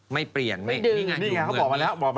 ไม่เปลี่ยนไม่ดื่ม